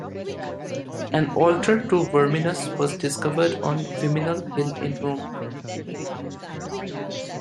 An altar to Verminus was discovered on Viminal Hill in Rome.